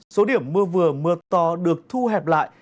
số điểm mưa vừa mưa to được thu hẹp lại